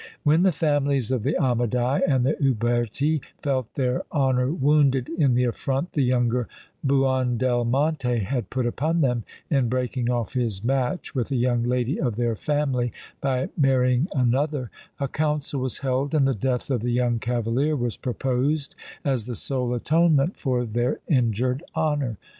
When the families of the Amadei and the Uberti felt their honour wounded in the affront the younger Buondelmonte had put upon them, in breaking off his match with a young lady of their family, by marrying another, a council was held, and the death of the young cavalier was proposed as the sole atonement for their injured honour.